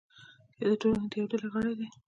یا د ټولنې د یوې ډلې غړی دی.